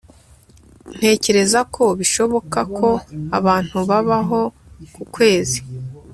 ntekereza ko bishoboka ko abantu babaho ku kwezi